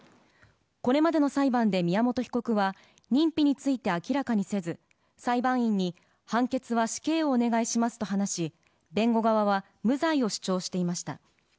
これまでの裁判で宮本被告は認否について明らかにせず裁判員に判決は死刑をお願いしますと話し弁護側は無罪を主張していました。